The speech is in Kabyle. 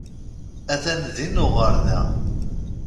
Atan din uɣerda.